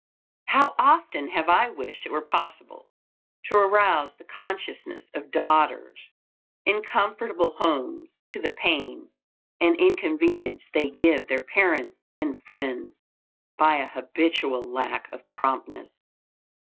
How often have I wished it were possible to arouse the consciousness of daughters in comfortable homes to the pain and inconvenience they give their parents and friends by a habitual lack of promptness!